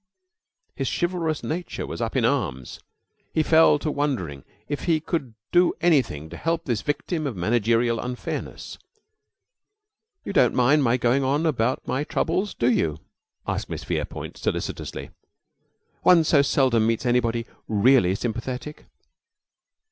His chivalrous nature was up in arms. He fell to wondering if he could do anything to help this victim of managerial unfairness. "You don't mind my going on about my troubles, do you?" asked Miss Verepoint, solicitously. "One so seldom meets anybody really sympathetic."